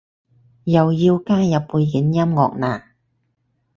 又要加入背景音樂喇？